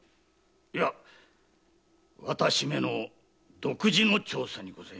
いや私めの独自の調査にございます。